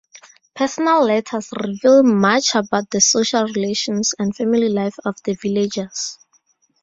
Personal letters reveal much about the social relations and family life of the villagers.